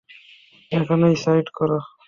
এখানেই সাইড করো।